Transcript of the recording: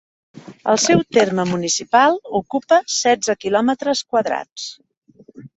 El seu terme municipal ocupa setze kilòmetres quadrats.